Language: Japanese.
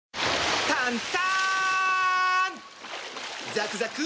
ザクザク！